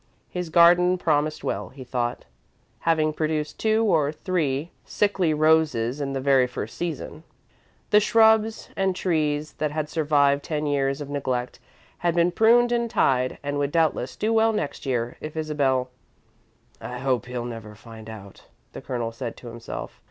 His garden promised well, he thought, having produced two or three sickly roses in the very first season. The shrubs and trees that had survived ten years of neglect had been pruned and tied and would doubtless do well next year, if Isabel "I hope he'll never find out," the Colonel said to himself.